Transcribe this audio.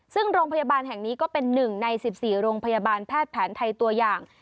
ซึ่งโรงพยาบาลแห่งนี้ก็เป็น๑ใน๑๔โรงพยาบาลแพทย์แผนไทยตัวอย่าง